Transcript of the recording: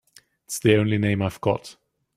It's the only name I've got.